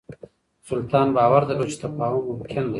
سلطان باور درلود چې تفاهم ممکن دی.